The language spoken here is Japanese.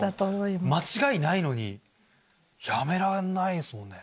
間違いないのにやめらんないっすもんね。